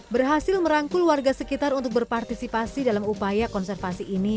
berhasil merangkul warga sekitar untuk berpartisipasi dalam upaya konservasi ini